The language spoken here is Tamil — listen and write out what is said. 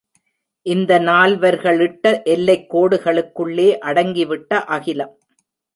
இந்த நால்வர்களிட்ட எல்லைக் கோடுகளுக்குள்ளே அடங்கிவிட்ட அகிலம்.